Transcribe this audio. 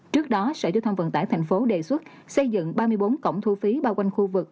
trước đó sở chứa thông vận tải thành phố đề xuất xây dựng ba mươi bốn cổng thu phí bao quanh khu vực